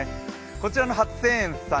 こちらの初清園さん